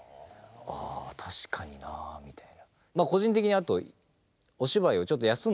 あ確かになみたいな。